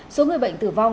số người bệnh tử vong